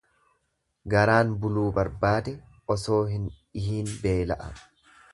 Garaan buluu barbaadee, osoo hin dhihiin beel'a.